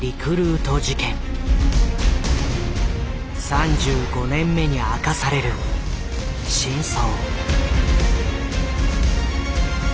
３５年目に明かされる真相。